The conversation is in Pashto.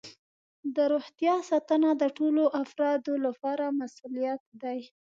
د روغتیا ساتنه د ټولو افرادو لپاره مسؤولیت دی.